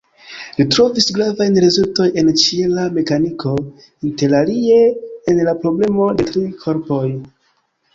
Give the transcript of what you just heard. Li trovis gravajn rezultoj en ĉiela mekaniko, interalie en la problemo de tri korpoj.